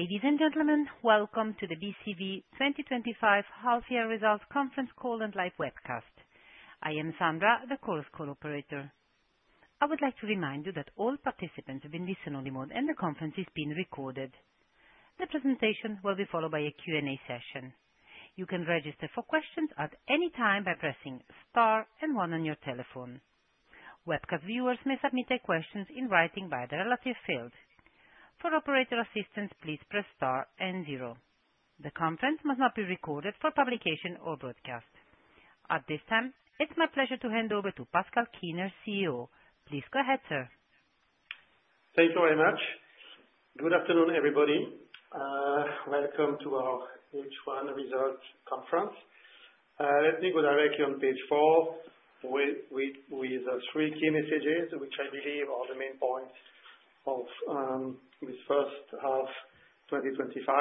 Ladies and gentlemen, welcome to the Banque Cantonale Vaudoise 2025 Half-Year Results Conference Call and live webcast. I am Sandra, the call's operator. I would like to remind you that all participants have been listened on remote and the conference is being recorded. The presentation will be followed by a Q&A session. You can register for questions at any time by pressing star and one on your telephone. Webcast viewers may submit their questions in writing via the relevant field. For operator assistance, please press star and zero. The conference must not be recorded for publication or broadcast. At this time, it's my pleasure to hand over to Pascal Kiener, CEO. Please go ahead, sir. Thank you very much. Good afternoon, everybody. Welcome to our H1 Results Conference. Let me go directly on page four with the three key messages, which I believe are the main points of this first half 2025.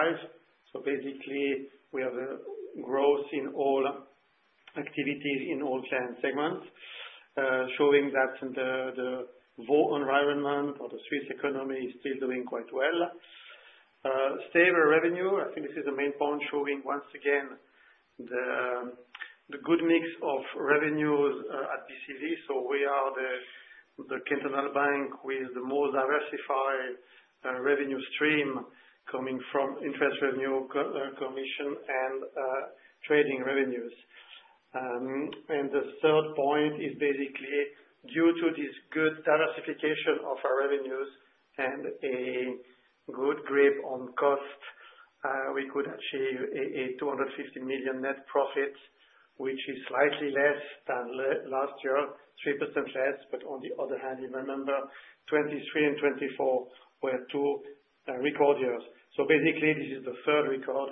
We have a growth in all activities in all client segments, showing that the Vaud environment or the Swiss economy is still doing quite well. Stable revenue, I think this is the main point showing once again the good mix of revenues at BCV. We are the Cantonal Bank with the most diversified revenue stream coming from interest revenue, commission, and trading revenues. The third point is basically due to this good diversification of our revenues and a good grip on cost, we could achieve a 250 million net profit, which is slightly less than last year, 3% less. On the other hand, you remember 2023 and 2024 were two record years. This is the third record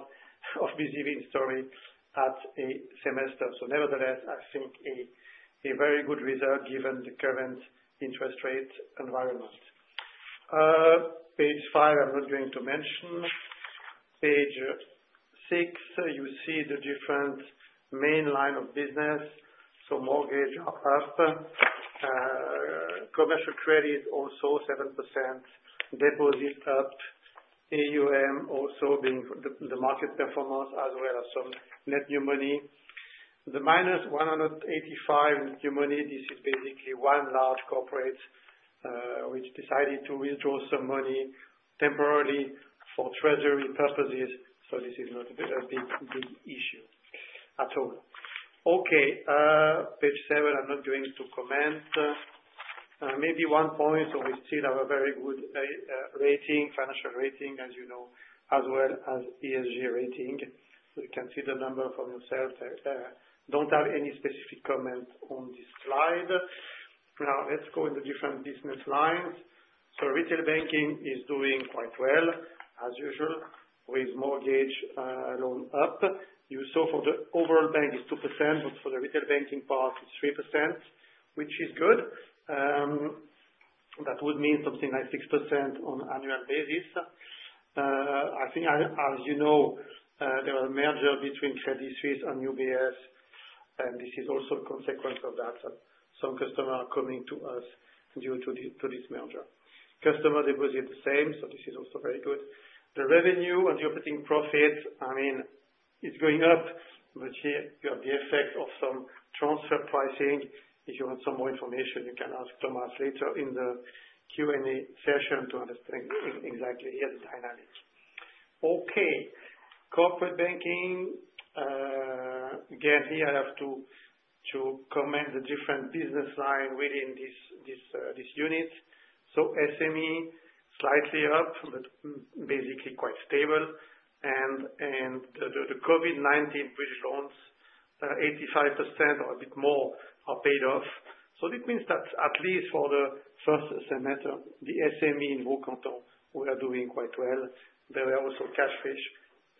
of BCV story at a semester. Nevertheless, I think a very good result given the current interest rate environment. Page five, I'm not going to mention. Page six, you see the different main line of business. Mortgage up, commercial credit also 7%, deposits up, assets under management also being the market performance as well as some net new money. The minus 185 million in new money, this is basically one large corporate which decided to withdraw some money temporarily for treasury purposes. This is not a big issue at all. Page seven, I'm not going to comment. Maybe one point. We still have a very good rating, financial rating, as you know, as well as ESG rating. You can see the number from yourself. Don't have any specific comment on this slide. Now let's go into different business lines. Retail banking is doing quite well, as usual, with mortgage loan up. You saw for the overall bank is 2%, but for the retail banking part, it's 3%, which is good. That would mean something like 6% on an annual basis. I think, as you know, there are mergers between Credit Suisse and UBS, and this is also a consequence of that. Some customers are coming to us due to this merger. Customer deposit the same, so this is also very good. The revenue and the operating profits, I mean, it's going up, but here you have the effects of some transfer pricing. If you want some more information, you can ask Thomas later in the Q&A session to understand exactly here the dynamics. Corporate banking. Again, here I have to comment the different business line within this unit. SME slightly up, but basically quite stable. The COVID-19 British loans, 85% or a bit more are paid off. It means that at least for the first semester, the SME in Vaud Canton were doing quite well. There were also cash fish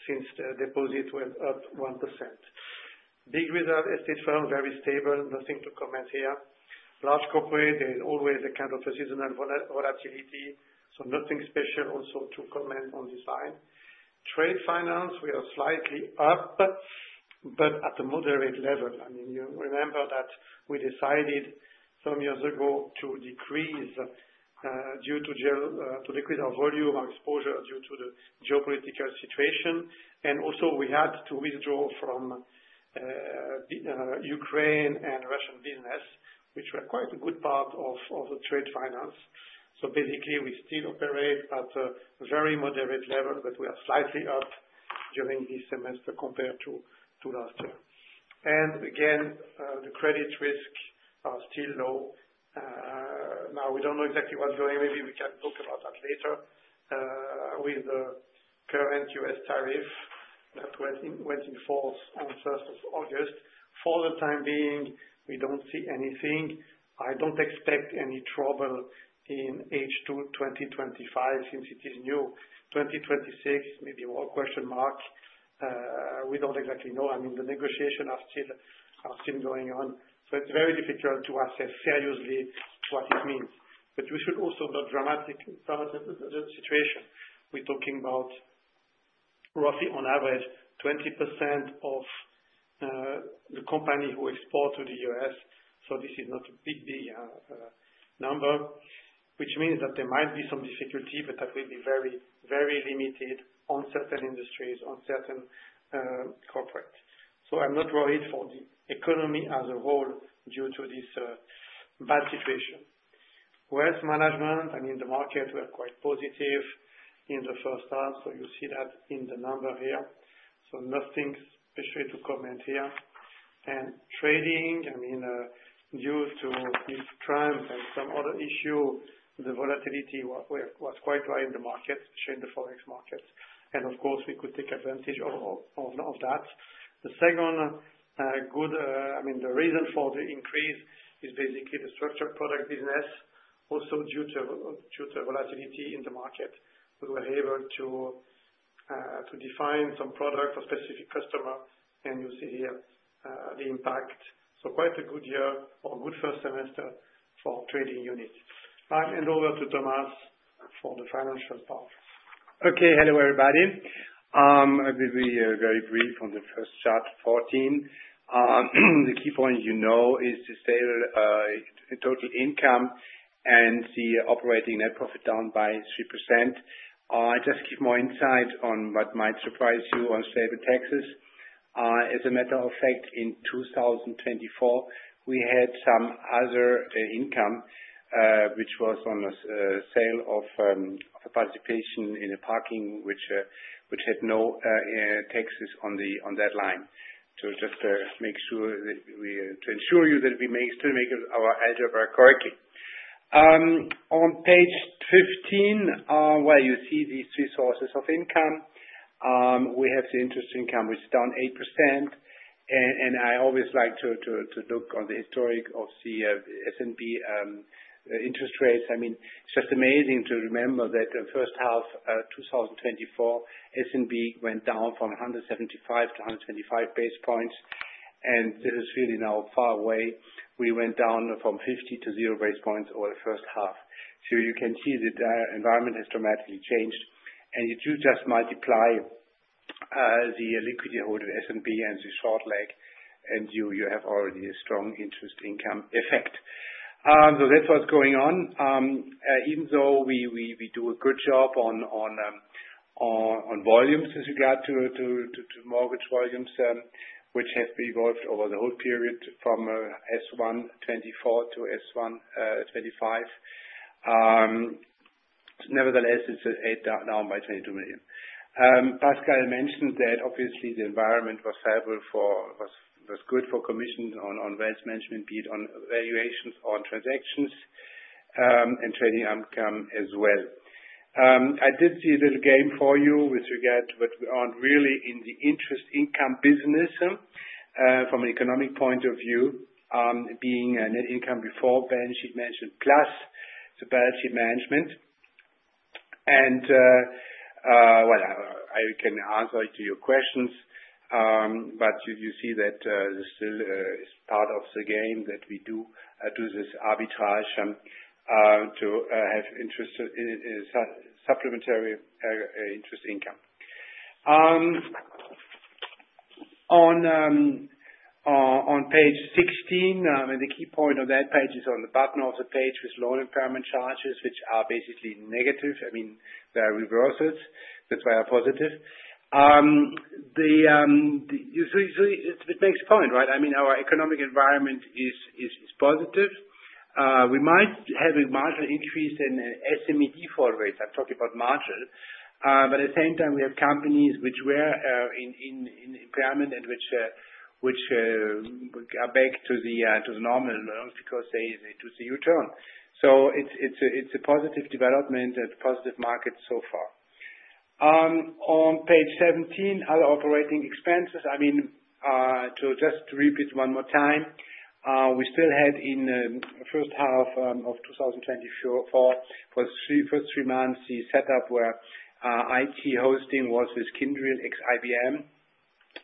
since the deposit went up 1%. Big results estate firm, very stable. Nothing to comment here. Large corporate, there is always a kind of a seasonal volatility, so nothing special also to comment on this side. Trade finance, we are slightly up, but at a moderate level. You remember that we decided some years ago to decrease our volume, our exposure due to the geopolitical situation. We had to withdraw from Ukraine and Russian business, which were quite a good part of the trade finance. We still operate at a very moderate level, but we are slightly up during this semester compared to last year. The credit risks are still low. Now we don't know exactly what's going on. Maybe we can talk about that later with the current U.S. tariff that went in force on 1st of August. For the time being, we don't see anything. I don't expect any trouble in H2 2025 since it is new. 2026 may be a more question mark. We don't exactly know. The negotiations are still going on. It's very difficult to assess seriously what it means. You should also not dramatically tell us the situation. We're talking about roughly, on average, 20% of the company who exports to the U.S. This is not a big big number, which means that there might be some difficulty, but that will be very, very limited on certain industries, on certain corporates. I'm not worried for the economy as a whole due to this bad situation. Wealth management, the markets were quite positive in the first half. You see that in the number here. Nothing especially to comment here. Trading, due to this trend and some other issue, the volatility was quite high in the markets, especially in the Forex markets. Of course, we could take advantage of that. The second good reason for the increase is basically the structured product business, also due to volatility in the market. We were able to define some products for specific customers, and you see here the impact. Quite a good year or good first semester for trading units. Over to Thomas for the financial part. Okay. Hello, everybody. I'll be very brief on the first chart, 14. The key point, you know, is to see total income and see operating net profit down by 3%. I just give more insight on what might surprise you on stable taxes. As a matter of fact, in 2024, we had some other income, which was on a sale of participation in a parking, which had no taxes on that line. Just to make sure that we ensure you that we may still make our algebra correctly. On page 15, you see these three sources of income. We have the interest income, which is down 8%. I always like to look on the historic of the S&P interest rates. I mean, it's just amazing to remember that the first half, 2024, S&P went down from 175 to 175 basis points. This is really now far away. We went down from 50 to 0 basis points over the first half. You can see that the environment has dramatically changed. If you just multiply the liquidity holding S&P and the short leg, you have already a strong interest income effect. That's what's going on. Even though we do a good job on volumes with regard to mortgage volumes, which have evolved over the whole period from S1 24 to S1 25, nevertheless, it's an 8 down by 22 million. Pascal mentioned that obviously the environment was favorable for commission on wealth management, be it on valuations or on transactions, and trading outcome as well. I did see a little game for you with regard to what we aren't really in the interest income business. From an economic point of view, being a net income before balance sheet management plus the balance sheet management. I can answer to your questions. You see that this still is part of the game that we do this arbitrage to have interest in supplementary interest income. On page 16, the key point of that page is on the bottom of the page with loan impairment charges, which are basically negative. I mean, they are reversals. That's why they are positive. It makes a point, right? I mean, our economic environment is positive. We might have a marginal increase in the SME default rates. I'm talking about marginal. At the same time, we have companies which were in impairment and which are back to the normal loans because they took the U-turn. It's a positive development and positive market so far. On page 17, other operating expenses. I mean, to just repeat one more time, we still had in the first half of 2024, for the first three months, the setup where IT hosting was with Kyndryl ex-IBM.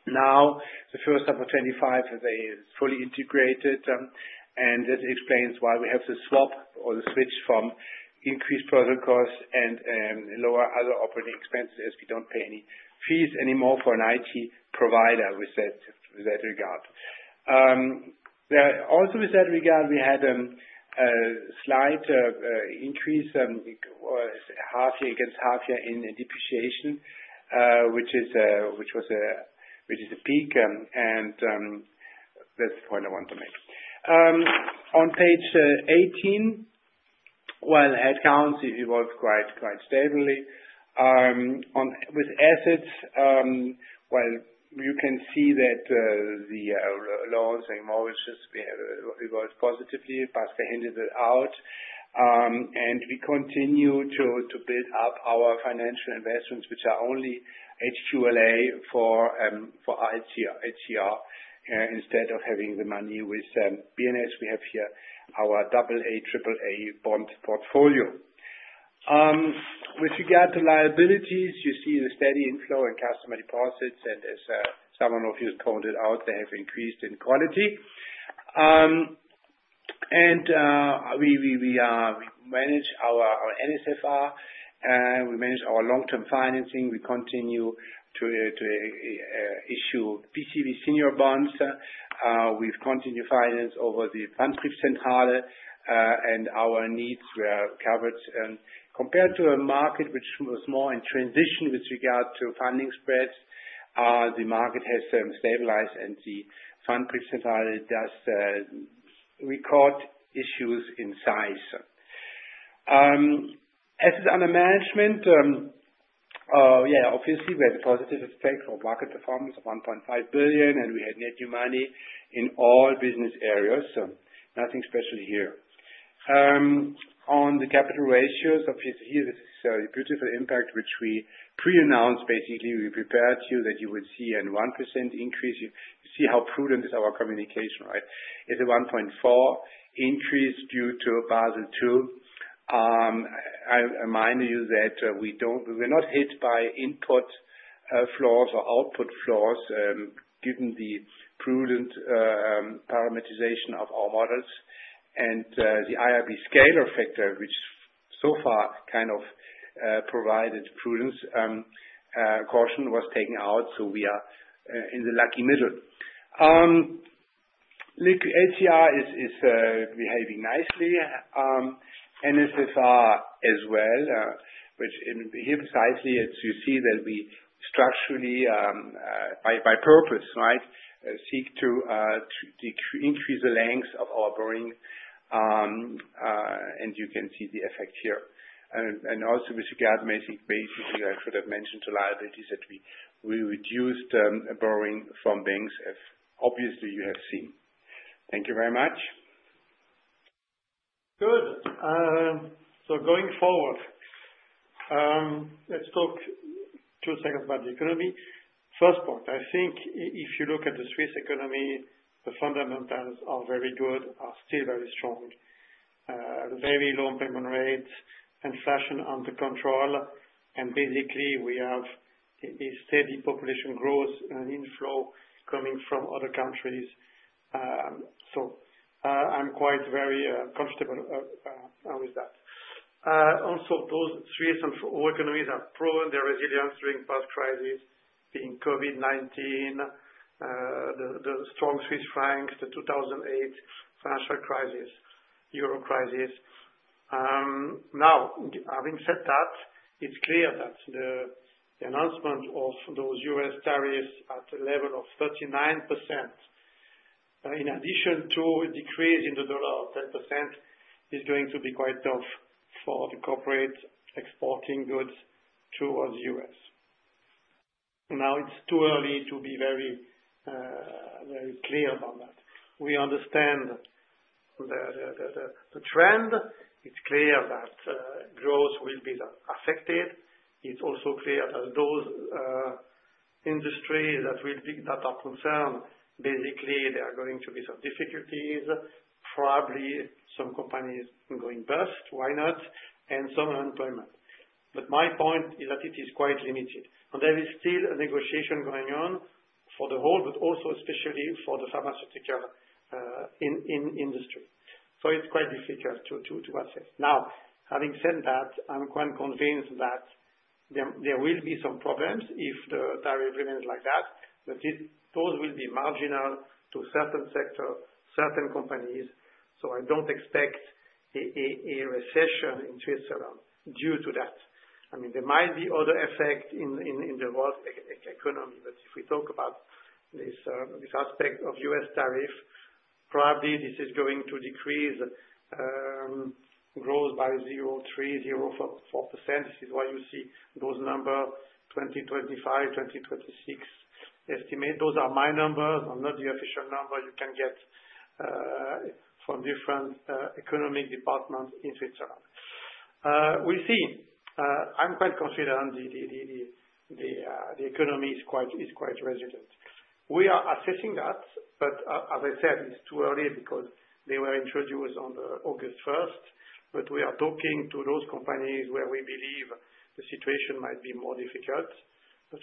Now, the first half of 2025, they fully integrated. That explains why we have the swap or the switch from increased protocols and lower other operating expenses as we don't pay any fees anymore for an IT provider with that regard. There are also, with that regard, we had a slight increase or half year against half year in depreciation, which is the peak. That's the point I want to make. On page 18, headcounts evolved quite stably. With assets, you can see that the loans and mortgage loans evolved positively. Pascal hinted it out. We continue to build up our financial investments, which are only HQLA for HCR. Instead of having the money with BNS, we have here our AA, AAA bond portfolio. With regard to liabilities, you see the steady inflow in customer deposits. As someone of you has pointed out, they have increased in quality. We manage our NSFR, and we manage our long-term financing. We continue to issue BCV senior bonds. We've continued finance over the Funds Print Central, and our needs were covered. Compared to a market which was more in transition with regard to funding spreads, the market has stabilized, and the Funds Print Central does record issues in size. Assets under management, obviously, we had positive stake for market performance of 1.5 billion, and we had net new money in all business areas. Nothing special here. On the capital ratios, obviously, here this is a beautiful impact, which we pre-announced basically. We prepared you that you would see a 1% increase. You see how prudent is our communication, right? It's a 1.4% increase due to Basel II. I remind you that we don't, we're not hit by input floors or output floors, given the prudent parameterization of our models. The IRB scalar factor, which so far kind of provided prudence, caution was taken out. We are in the lucky middle. HCR is behaving nicely. NSFR as well, which in here precisely, as you see that we structurally, by purpose, seek to increase the lengths of our borrowing. You can see the effect here. Also, with regard basically, I forgot to mention to liabilities that we reduced a borrowing from banks, as obviously you have seen. Thank you very much. Good. Going forward, let's talk two seconds about the economy. First point, I think if you look at the Swiss economy, the fundamentals are very good, are still very strong. The very low payment rates and inflation under control. Basically, we have a steady population growth and an inflow coming from other countries. I'm quite very comfortable with that. Also, those Swiss and Vaud economies have proven their resilience during past crises, being COVID-19, the strong Swiss franc, the 2008 financial crisis, euro crisis. Now, having said that, it's clear that the announcement of those U.S. tariffs at the level of 39%, in addition to a decrease in the dollar of 10%, is going to be quite tough for the corporate exporting goods towards the U.S. Now, it's too early to be very, very clear about that. We understand the trend. It's clear that growth will be affected. It's also clear that those industries that are of concern, basically, there are going to be some difficulties, probably some companies going bust, why not, and some unemployment. My point is that it is quite limited. There is still a negotiation going on for the whole, but also especially for the pharmaceutical industry. It's quite difficult to assess. Now, having said that, I'm quite convinced that there will be some problems if the tariff remains like that, but those will be marginal to certain sectors, certain companies. I don't expect a recession in Switzerland due to that. I mean, there might be other effects in the world economy. If we talk about this aspect of U.S. tariff, probably this is going to decrease growth by 0.3, 0.4%. This is why you see those numbers: 2025, 2026, estimate. Those are my numbers. I'm not the official number you can get from different economic departments in Switzerland. We see, I'm quite confident the economy is quite resilient. We are assessing that, but as I said, it's too early because they were introduced on August 1. We are talking to those companies where we believe the situation might be more difficult.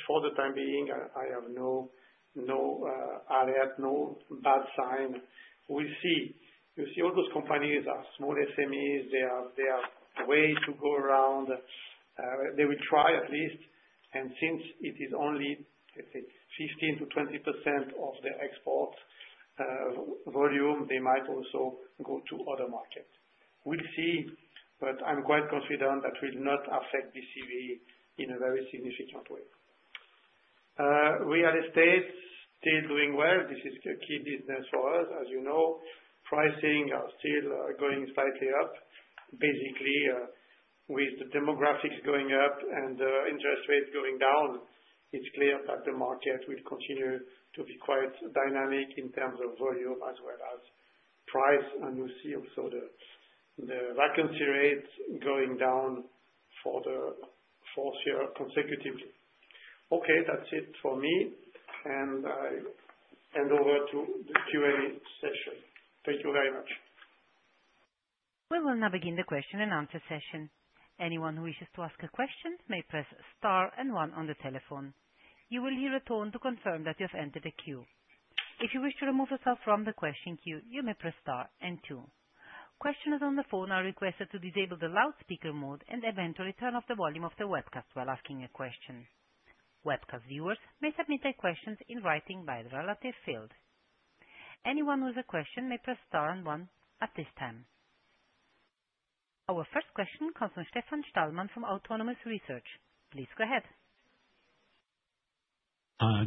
For the time being, I have no, no alert, no bad sign. We'll see. You see, all those companies are small SMEs. They have a way to go around. They will try at least. Since it is only, let's say, 15 to 20% of their exports volume, they might also go to other markets. We'll see. I'm quite confident that it will not affect BCV in a very significant way. Real estate is still doing well. This is a key business for us. As you know, pricing is still going slightly up. Basically, with the demographics going up and the interest rates going down, it's clear that the market will continue to be quite dynamic in terms of volume as well as price. You see also the vacancy rates going down for the fourth year consecutively. Okay, that's it for me. I hand over to the Q&A session. Thank you very much. We will now begin the question and answer session. Anyone who wishes to ask a question may press star and one on the telephone. You will hear a tone to confirm that you have entered the queue. If you wish to remove yourself from the question queue, you may press star and two. Questioners on the phone are requested to disable the loudspeaker mode and eventually turn off the volume of the webcast while asking a question. Webcast viewers may submit their questions in writing by the relative field. Anyone who has a question may press star and one at this time. Our first question comes from Stefan Stallmann from Autonomous Research. Please go ahead.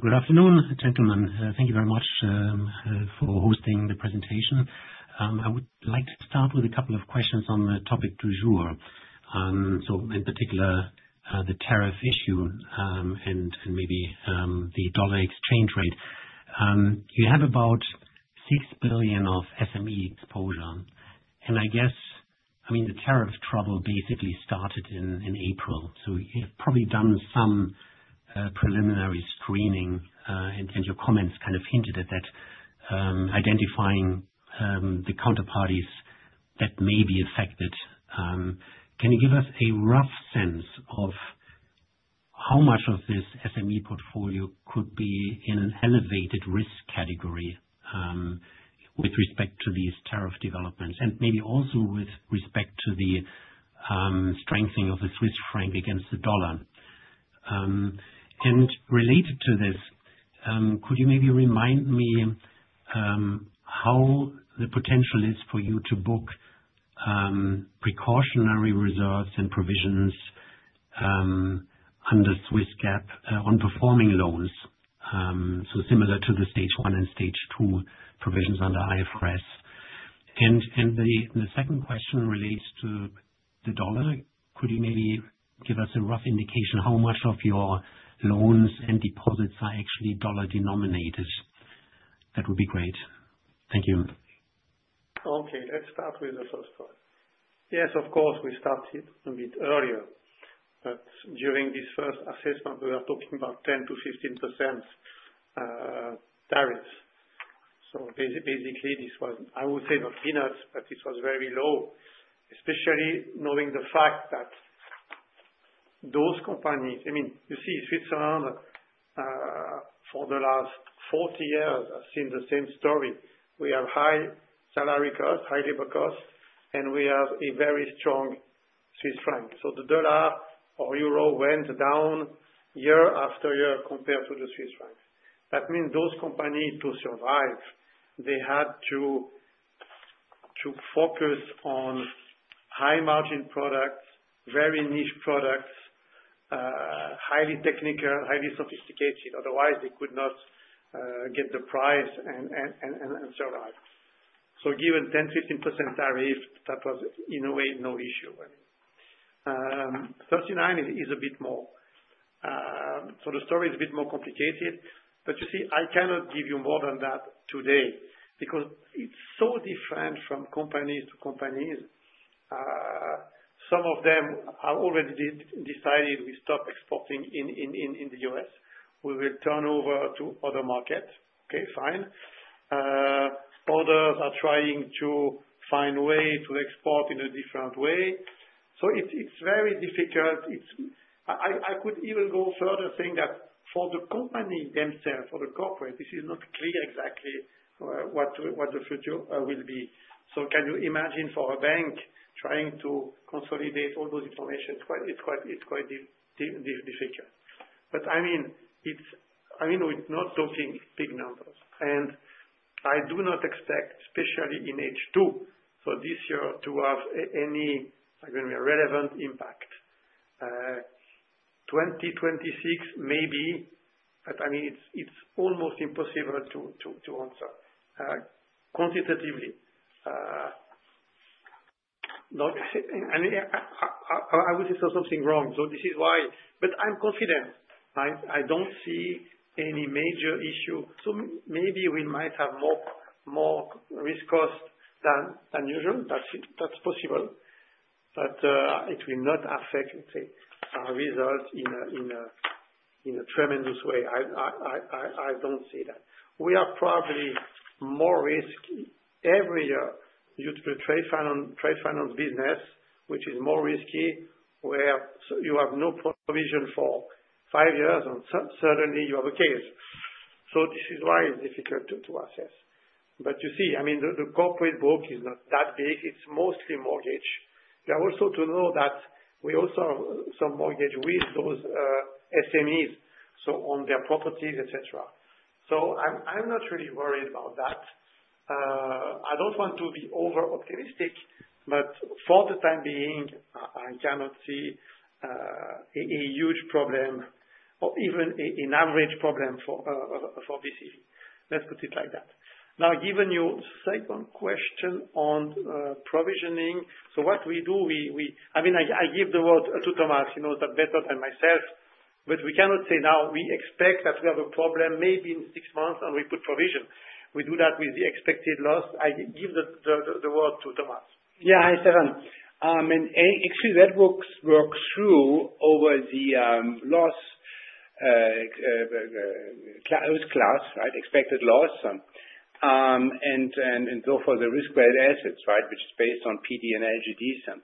Good afternoon, gentlemen. Thank you very much for hosting the presentation. I would like to start with a couple of questions on the topic du jour. In particular, the tariff issue and maybe the dollar exchange rate. You have about 6 billion of SME exposure. I guess the tariff trouble basically started in April. You've probably done some preliminary screening, and your comments kind of hinted at that, identifying the counterparties that may be affected. Can you give us a rough sense of how much of this SME portfolio could be in an elevated risk category with respect to these tariff developments and maybe also with respect to the strengthening of the Swiss franc against the dollar? Related to this, could you maybe remind me how the potential is for you to book precautionary reserves and provisions under Swiss GAAP on performing loans, similar to the stage one and stage two provisions under IFRS? The second question relates to the dollar. Could you maybe give us a rough indication how much of your loans and deposits are actually dollar denominated? That would be great. Thank you. Okay. Let's start with the first part. Yes, of course, we started a bit earlier. During this first assessment, we were talking about 10% to 15% tariffs. Basically, this was, I would say, not peanuts, but it was very low, especially knowing the fact that those companies, I mean, you see, Switzerland, for the last 40 years, has seen the same story. We have high salary costs, high labor costs, and we have a very strong Swiss franc. The dollar or euro went down year after year compared to the Swiss franc. That means those companies, to survive, had to focus on high-margin products, very niche products, highly technical, highly sophisticated. Otherwise, they could not get the price and survive. Given 10%, 15% tariff, that was, in a way, no issue. 39% is a bit more. The story is a bit more complicated. I cannot give you more than that today because it's so different from companies to companies. Some of them have already decided, "We stop exporting in the U.S. We will turn over to other markets." Okay, fine. Others are trying to find a way to export in a different way. It's very difficult. I could even go further saying that for the company themselves, for the corporate, this is not clear exactly what the future will be. Can you imagine for a bank trying to consolidate all those informations? It's quite difficult. We're not talking big numbers. I do not expect, especially in H2, this year, to have any relevant impact. 2026, maybe, but it's almost impossible to answer quantitatively. I would say there's something wrong. This is why. I'm confident. I don't see any major issue. Maybe we might have more risk costs than usual. That's possible. It will not affect, let's say, our results in a tremendous way. I don't see that. We are probably more risky every year. You do the trade finance business, which is more risky, where you have no provision for five years, and suddenly, you have a case. This is why it's difficult to assess. The corporate board is not that big. It's mostly mortgage. You are also to know that we also have some mortgage with those SMEs, on their properties, etc. I'm not really worried about that. I don't want to be overoptimistic, but for the time being, I cannot see a huge problem or even an average problem for this issue. Let's put it like that. Now, given your second question on provisioning, what we do, I mean, I give the word to Thomas, you know that better than myself, but we cannot say now we expect that we have a problem maybe in six months and we put provision. We do that with the expected loss. I give the word to Thomas. Yeah, I said that. Actually, that works through over the loss-closed class, right, expected loss, and so forth, the risk-grade assets, right, which is based on PD and LGDs.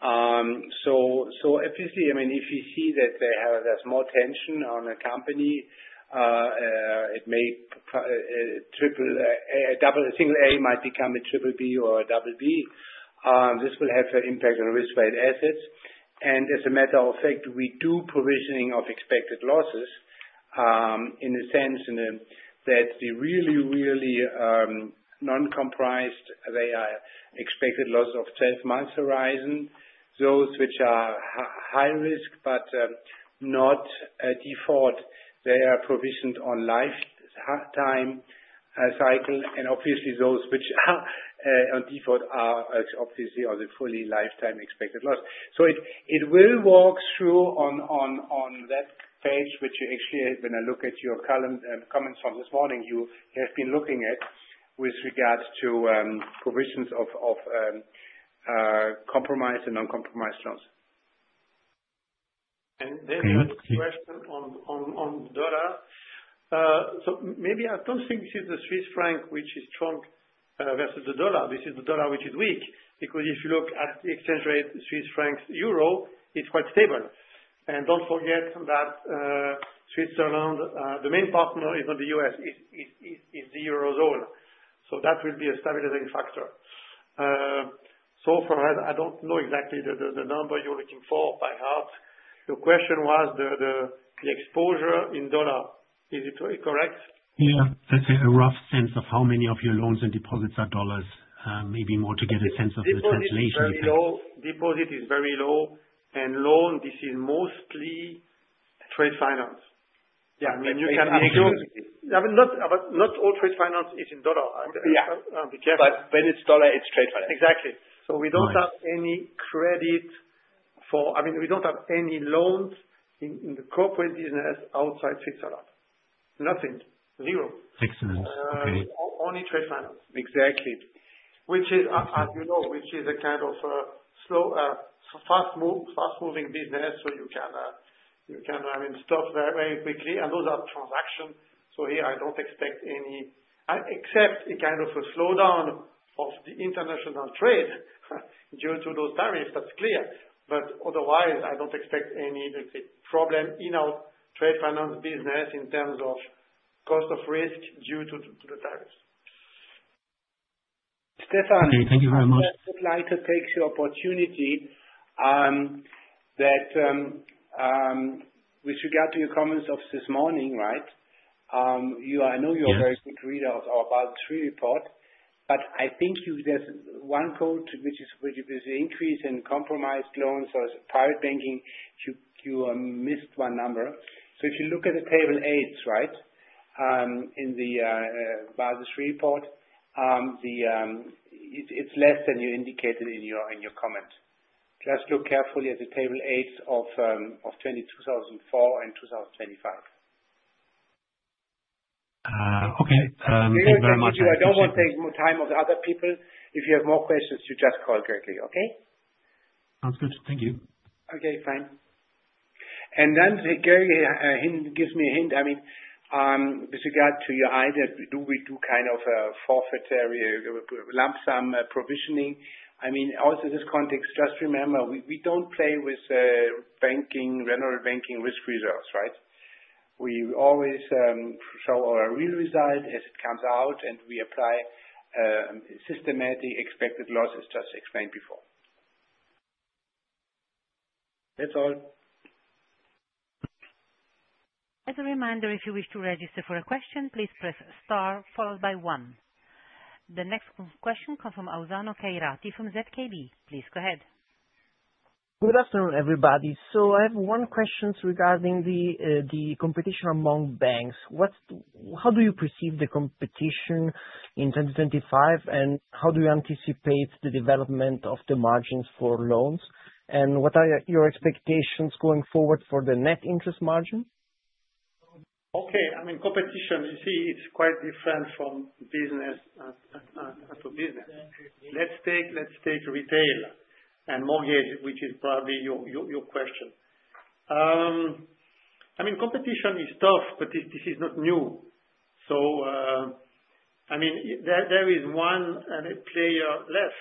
Obviously, if you see that there's more tension on a company, a single A might become a triple B or a double B. This will have an impact on risk-grade assets. As a matter of fact, we do provisioning of expected losses in the sense that the really, really non-compromised, they are expected losses of 12 months horizon. Those which are high risk but not default, they are provisioned on lifetime cycle. Obviously, those which are on default are, obviously, on the fully lifetime expected loss. It will work through on that page, which you actually, when I look at your comments from this morning, you have been looking at with regard to provisions of compromised and non-compromised loss. You have this question on the dollar. I don't think this is the Swiss franc, which is strong versus the dollar. This is the dollar, which is weak because if you look at the exchange rate, Swiss franc euro, it's quite stable. Don't forget that Switzerland, the main partner is not the U.S. It's the eurozone. That will be a stabilizing factor. From that, I don't know exactly the number you're looking for, but perhaps the question was the exposure in dollar. Is it correct? That's a rough sense of how many of your loans and deposits are dollars. Maybe more to get a sense of the translation. Deposit is very low, and loan, this is mostly trade finance. You can make up. Yeah, not all trade finance is in dollar. I'll be careful. When it's dollar, it's trade finance. Exactly. We don't have any credit for, I mean, we don't have any loans in the corporate business outside Switzerland. Nothing. Zero. Excellent, okay, only trade finance. Exactly. As you know, which is a kind of a slow, fast-moving business. You can stop very, very quickly, and those are transactions. Here, I don't expect any, except a kind of a slowdown of the international trade due to those tariffs. That's clear. Otherwise, I don't expect any, let's say, problem in our trade finance business in terms of cost of risk due to the tariffs. Stefan. Okay, thank you very much. I would like to take your opportunity that with regard to your comments of this morning, right? I know you're a very big reader of our Balance three report, but I think you've just one quote, which is the increase in compromised loans as private banking, you missed one number. If you look at the table eights, right, in the Balance report, it's less than you indicated in your comment. Just look carefully at the table eights of 2024 and 2025. Okay, thank you very much. I don't want to take more time of the other people. If you have more questions, you just call Gregory Duong, okay? Sounds good. Thank you. Okay. Fine. Greg gives me a hint, I mean, with regard to your eye that do we do kind of a forfeitary lump sum provisioning. I mean, also in this context, just remember we don't play with general banking risk reserves, right? We always show our real result as it comes out, and we apply systematic expected loss as just explained before. That's all. As a reminder, if you wish to register for a question, please press star followed by one. The next question comes from Aldano Keiraati from ZKB. Please go ahead. Good afternoon, everybody. I have one question regarding the competition among banks. How do you perceive the competition in 2025, and how do you anticipate the development of the margins for loans? What are your expectations going forward for the net interest margin? Okay. I mean, competition, you see, is quite different from business to business. Let's take retail and mortgage, which is probably your question. I mean, competition is tough, but this is not new. There is one player less,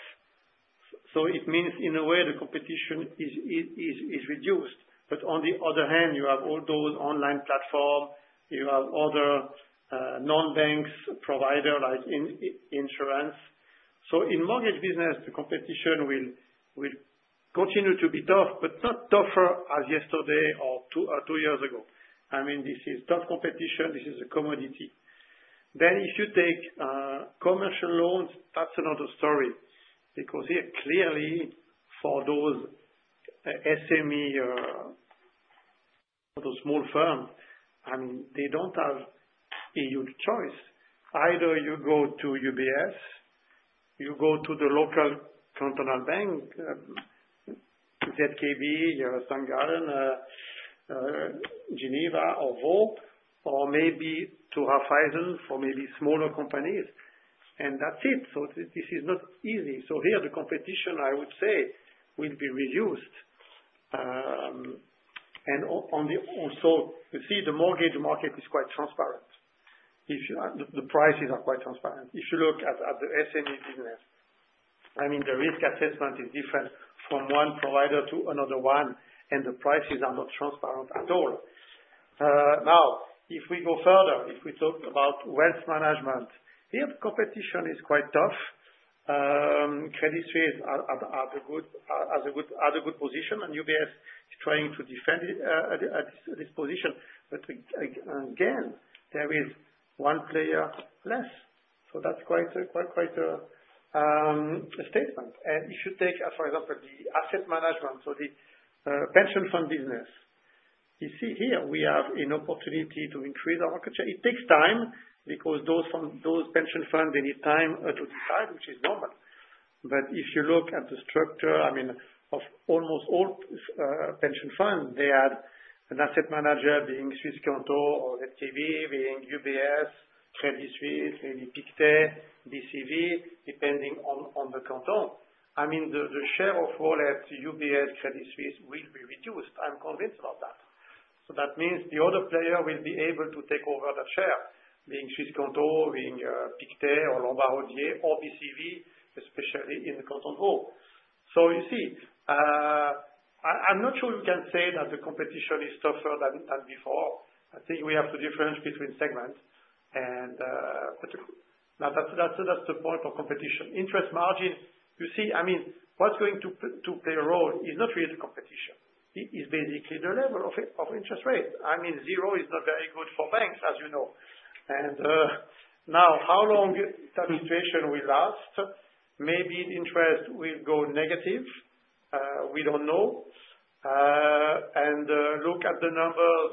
so it means, in a way, the competition is reduced. On the other hand, you have all those online platforms. You have other non-banks providers like in insurance. In the mortgage business, the competition will continue to be tough, but not tougher as yesterday or two years ago. This is tough competition. This is a commodity. If you take commercial loans, that's another story because here, clearly, for those SME, those small firms, they don't have a huge choice. Either you go to UBS, you go to the local cantonal bank, to ZKB, St. Gallen, Geneva, or Vaud, or maybe to Raiffeisen for maybe smaller companies. That's it. This is not easy. Here, the competition, I would say, will be reduced. Also, you see, the mortgage market is quite transparent. The prices are quite transparent. If you look at the SME business, the risk assessment is different from one provider to another one, and the prices are not transparent at all. Now, if we go further, if we talk about wealth management, here, the competition is quite tough. Credit Suisse has a good position, and UBS is trying to defend this position. Again, there is one player less. That's quite a statement. If you take, for example, the asset management, so the pension fund business, here, we have an opportunity to increase our market share. It takes time because those pension funds need time to decide, which is normal. If you look at the structure of almost all pension funds, they had an asset manager being Swisscanto or ZKB, being UBS, Credit Suisse, Pictet, BCV, depending on the canton. The share of wallet UBS, Credit Suisse will be reduced. I'm convinced about that. That means the other player will be able to take over that share, being Swisscanto, being Pictet or Lombard Odier, or BCV, especially in the canton Vaud. I'm not sure you can say that the competition is tougher than before. I think we have to differentiate between segments. Now that's the point of competition. Interest margin, you see, what's going to play a role is not really the competition. It's basically the level of interest rate. Zero is not very good for banks, as you know. How long that inflation will last? Maybe the interest will go negative. We don't know. Look at the numbers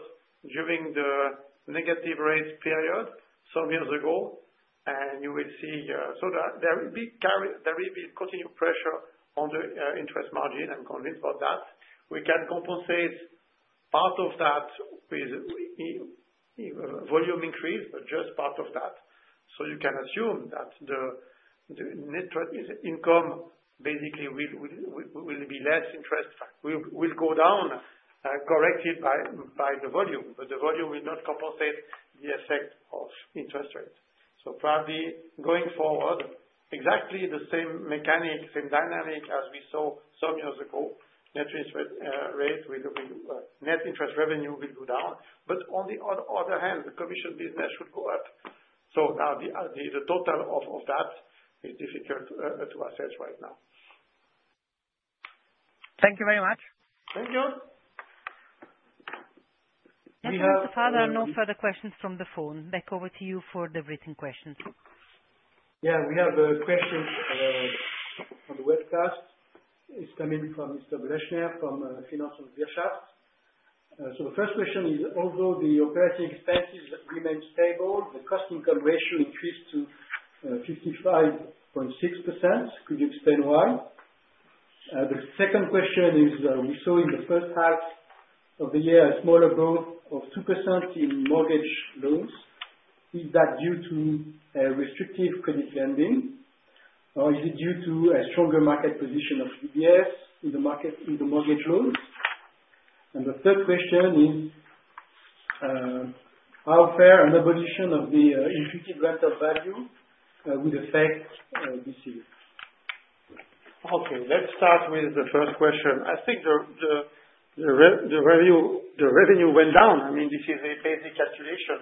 during the negative rate period some years ago, and you will see. There will be continued pressure on the interest margin. I'm convinced about that. We can compensate part of that with volume increase, but just part of that. You can assume that the net income, basically, will be less, interest will go down, corrected by the volume. The volume will not compensate the effect of interest rates. Probably going forward, exactly the same mechanic, same dynamic as we saw some years ago. Net interest rate will go down. On the other hand, the commission business should go up. The total of that is difficult to assess right now. Thank you very much. Thank you. Let's take that. No further questions from the phone. Back over to you for the written questions. Yeah. We have questions on the webcast. It's coming from Mr. Bleschner from Finance and Wirtschaft. The first question is, although the operating expenses remained stable, the cost income ratio increased to 55.6%. Could you explain why? The second question is, we saw in the first half of the year a smaller growth of 2% in mortgage loans. Is that due to a restrictive credit lending, or is it due to a stronger market position of UBS in the market in the mortgage loans? The third question is, how far an abolition of the intuitive letter of value would affect BCV? Let's start with the first question. I think the revenue went down. This is a basic calculation.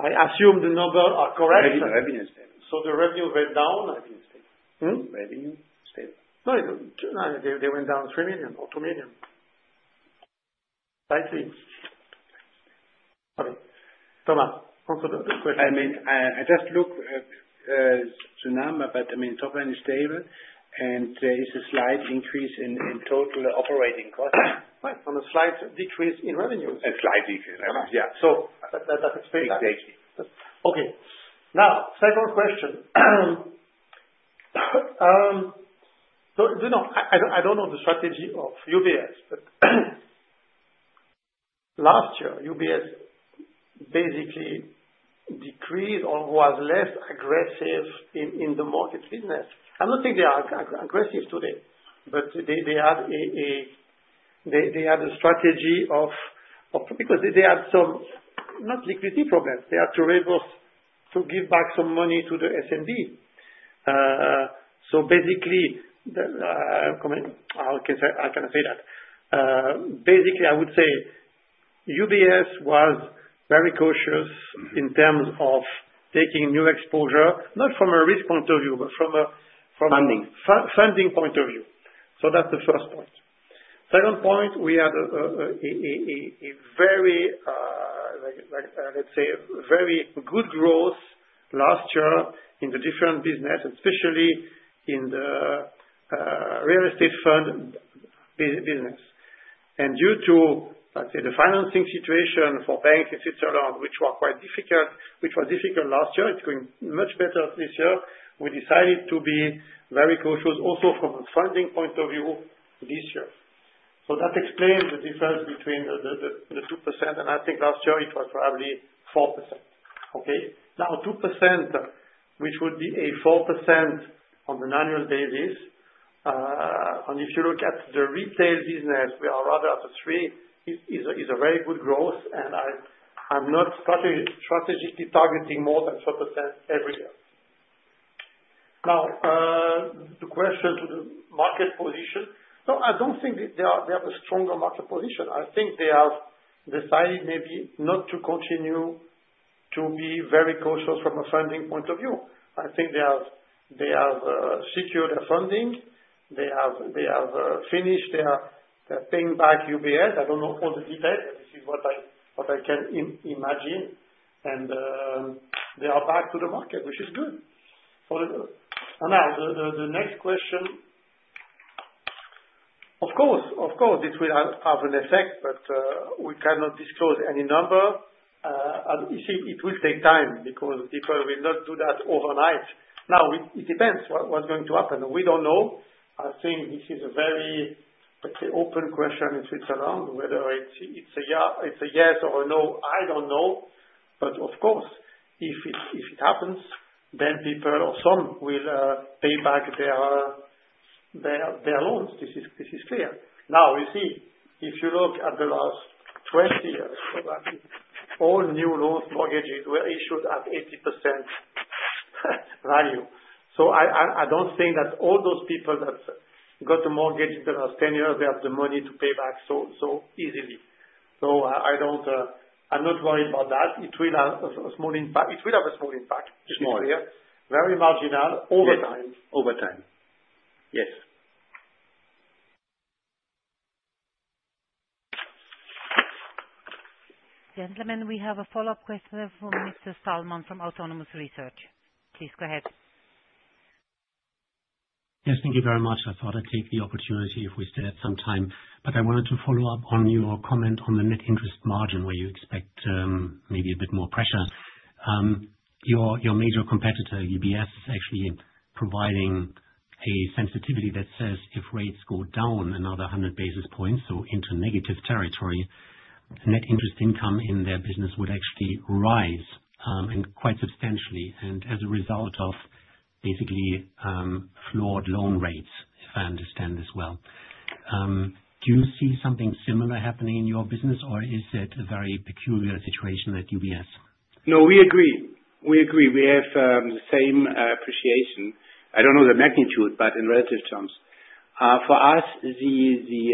I assume the numbers are correct. I think the revenue is stable. Revenue went down. The revenue is stable. Huh? Revenue is stable. No, they went down $3 million or $2 million. Thank you. Thomas, answer the question. I just looked at the number, but something is stable, and there is a slight increase in total operating costs. Right, on a slight decrease in revenue. A slight decrease in revenue. That's a big decrease. Okay. Now, second question. I don't know the strategy of UBS, but last year, UBS basically decreased or was less aggressive in the market fitness. I'm not saying they are aggressive today, but they had a strategy because they had some not liquidity problems. They had to be able to give back some money to the SMB. Basically, I can say I cannot say that. Basically, I would say UBS was very cautious in terms of taking new exposure, not from a risk point of view, but from a funding point of view. That's the first point. Second point, we had a very, let's say, very good growth last year in the different business, and especially in the real estate fund business. Due to, let's say, the financing situation for banks in Switzerland, which was quite difficult last year, it's going much better this year. We decided to be very cautious also from a funding point of view this year. That explains the difference between the 2%. I think last year, it was probably 4%. Okay. Now, 2%, which would be a 4% on an annual basis. If you look at the retail business, we are rather at a 3. It's a very good growth, and I'm not strategically targeting more than 4% every year. Now, the question to the market position. I don't think they have a stronger market position. I think they have decided maybe not to continue to be very cautious from a funding point of view. I think they have secured their funding. They have finished their paying back UBS. I don't know all the details. This is what I can imagine. They are back to the market, which is good. For the next question. Of course, this will have an effect, but we cannot disclose any number. You see, it will take time because people will not do that overnight. It depends what's going to happen. We don't know. I think this is a very, let's say, open question in Switzerland whether it's a yes or a no. I don't know. Of course, if it happens, then people or some will pay back their loans. This is clear. If you look at the last 20 years, probably all new loans, mortgages were issued at 80% value. I don't think that all those people that got a mortgage in the last 10 years, they have the money to pay back so easily. I don't I'm not worried about that. It will have a small impact. It will have a small impact. It's clear. Very marginal over time. Over time, yes. Gentlemen, we have a follow-up question from Mr. Stallman from Autonomous Research. Please go ahead. Yes, thank you very much. I thought I'd take the opportunity if we still had some time. I wanted to follow up on your comment on the net interest margin where you expect maybe a bit more pressure. Your major competitor, UBS, is actually providing a sensitivity that says if rates go down another 100 basis points, so into negative territory, net interest income in their business would actually rise quite substantially as a result of basically flawed loan rates, if I understand this well. Do you see something similar happening in your business, or is it a very peculiar situation at UBS? No, we agree. We agree. We have the same appreciation. I don't know the magnitude, but in relative terms. For us, the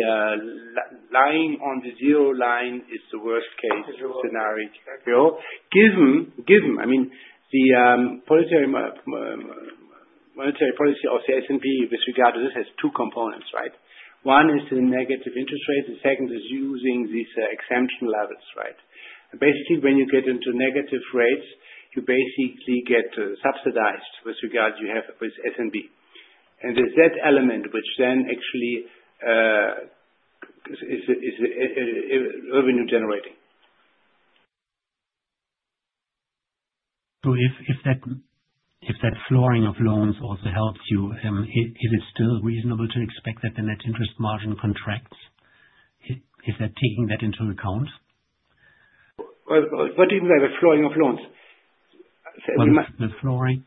lying on the zero line is the worst-case scenario. Given, I mean, the monetary policy of the SNB with regard to this has two components, right? One is the negative interest rates. The second is using these exemption levels, right? Basically, when you get into negative rates, you basically get subsidized with regard you have with SNB. There's that element, which then actually is revenue generating. If that flooring of loans also helps you, is it still reasonable to expect that the net interest margin contracts? Is that taking that into account? What do you mean by the flooring of loans? The flooring.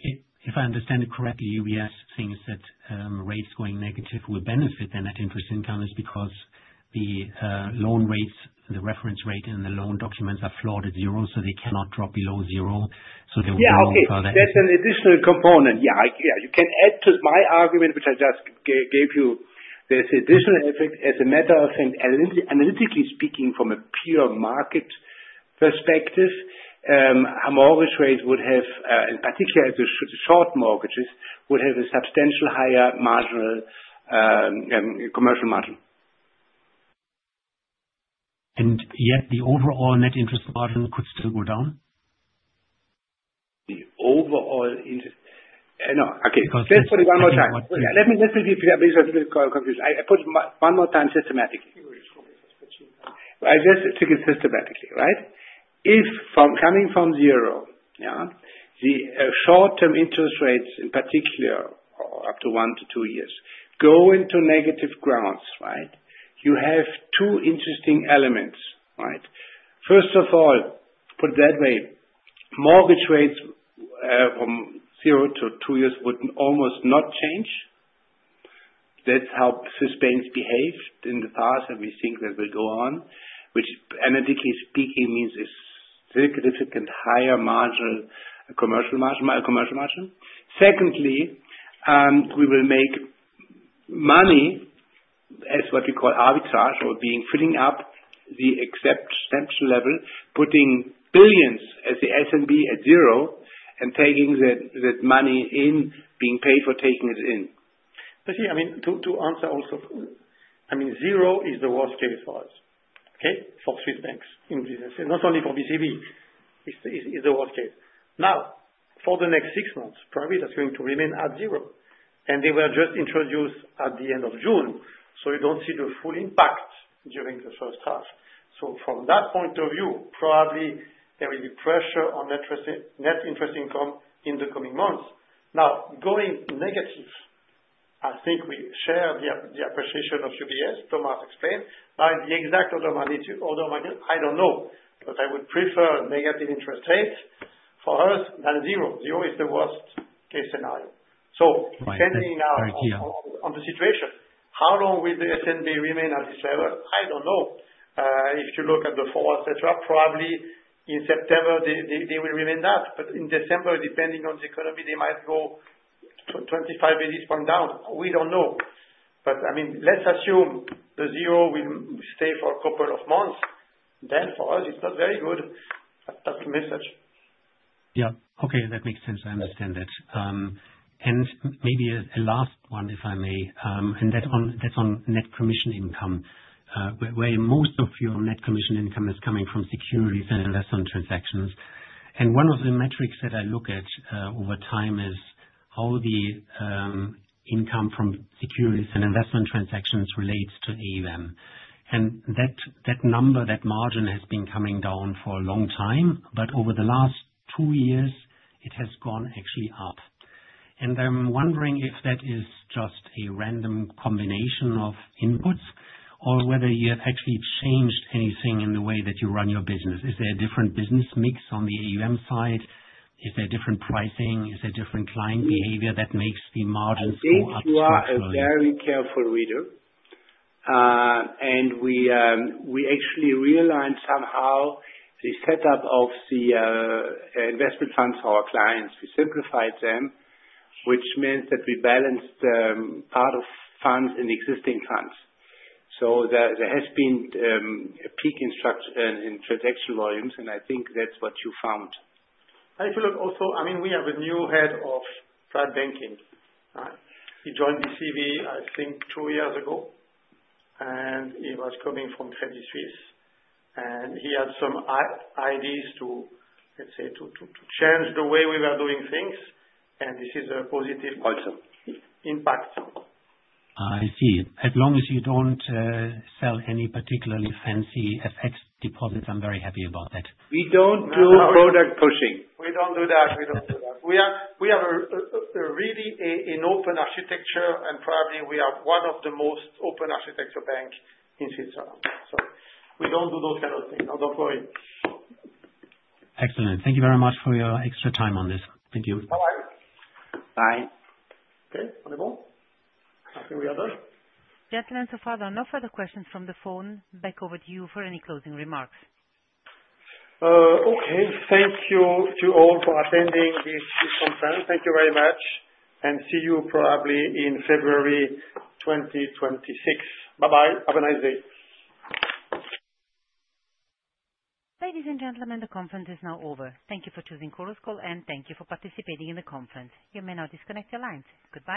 If I understand it correctly, UBS thinks that rates going negative will benefit their net interest income because the loan rates, the reference rate, and the loan documents are floored at zero, so they cannot drop below zero. They are worried about that. That's an additional component. You can add to my argument, which I just gave you. There's an additional effect as a matter of things. Analytically speaking, from a pure market perspective, our mortgage rates would have, in particular, the short mortgages would have a substantially higher marginal commercial margin. Yet the overall net interest margin could still go down? The overall interest. Okay. Let me be a bit confused. I put it one more time systematically. I just took it systematically, right? If coming from zero, yeah, the short-term interest rates in particular, or up to one to two years, go into negative grounds, right? You have two interesting elements, right? First of all, put it that way. Mortgage rates from zero to two years would almost not change. That's how Swiss banks behaved in the past, and we think that will go on, which analytically speaking means a significantly higher commercial margin. Secondly, we will make money as what we call arbitrage or being filling up the exemption level, putting billions as the SNB at zero and taking that money in, being paid for taking it in. Here, I mean, to answer also, I mean, zero is the worst case for us, okay, for Swiss banks in business. Not only for Banque Cantonale Vaudoise. It's the worst case. For the next six months, probably that's going to remain at zero. They were just introduced at the end of June. You don't see the full impact during the first half. From that point of view, probably there will be pressure on net interest income in the coming months. Going negative, I think we share the appreciation of UBS. Thomas explained, by the exact order of magnitude, I don't know. I would prefer negative interest rates for us than zero. Zero is the worst-case scenario. Depending on the situation, how long will the SNB remain at this level? I don't know. If you look at the forward, etc., probably in September, they will remain that. In December, depending on the economy, they might go 25 basis points down. We don't know. Let's assume the zero will stay for a couple of months. For us, it's not very good. That's the message. Okay. That makes sense. I understand that. Maybe a last one, if I may. That's on net commission income, where most of your net commission income is coming from securities and investment transactions. One of the metrics that I look at over time is how the income from securities and investment transactions relates to assets under management. That number, that margin, has been coming down for a long time. Over the last two years, it has actually gone up. I'm wondering if that is just a random combination of inputs or whether you have actually changed anything in the way that you run your business. Is there a different business mix on the assets under management side? Is there different pricing? Is there different client behavior that makes the margins go up structurally? We are a very careful reader. We actually realigned somehow the setup of the investment funds for our clients. We simplified them, which meant that we balanced part of funds in existing funds. There has been a peak in transaction volumes, and I think that's what you found. If you look also, we have a new Head of Private Banking. He joined Banque Cantonale Vaudoise, I think, two years ago. He was coming from Credit Suisse, and he had some ideas to, let's say, change the way we were doing things. This is a positive impact. I see. As long as you don't sell any particularly fancy FX deposits, I'm very happy about that. We don't do product pushing. We don't do that. We have a really open architecture, and probably we are one of the most open architecture banks in Switzerland. We don't do those kinds of things. No, don't worry. Excellent. Thank you very much for your extra time on this. Thank you. Bye-bye. Bye. Okay, wonderful. I think we are done. Gentlemen, so far, there are no further questions from the phone. Back over to you for any closing remarks. Okay. Thank you to all for attending this conference. Thank you very much. See you probably in February 2026. Bye-bye. Have a nice day. Ladies and gentlemen, the conference is now over. Thank you for choosing Callus Call, and thank you for participating in the conference. You may now disconnect your lines. Goodbye.